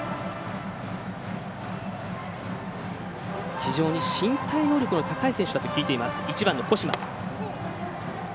非常に身体能力の高い選手だと聞いています、１番の後間。